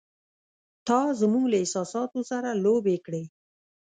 “تا زموږ له احساساتو سره لوبې کړې!